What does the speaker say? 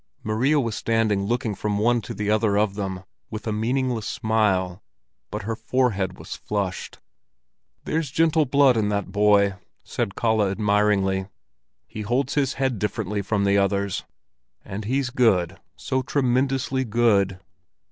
Maria was standing looking from one to the other of them with a meaningless smile, but her forehead was flushed. "There's gentle blood in that boy," said Kalle admiringly. "He holds his head differently from the others. And he's good—so tremendously good."